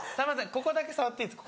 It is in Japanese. ここだけ触っていいです